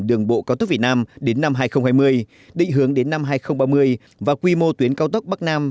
đường bộ cao tốc việt nam đến năm hai nghìn hai mươi định hướng đến năm hai nghìn ba mươi và quy mô tuyến cao tốc bắc nam